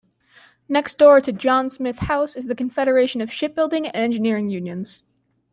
Next door to John Smith House is the Confederation of Shipbuilding and Engineering Unions.